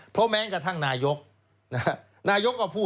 เพราะมันกระทั่งนายก